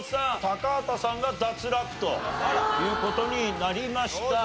高畑さんが脱落という事になりました。